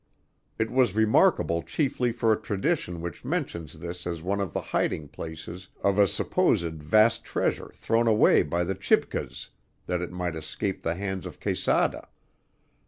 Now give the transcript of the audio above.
It was remarkable chiefly for a tradition which mentions this as one of the hiding places of a supposed vast treasure thrown away by the Chibcas that it might escape the hands of Quesada.